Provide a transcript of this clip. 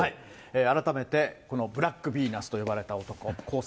改めてブラックヴィーナスと呼ばれた男・工作。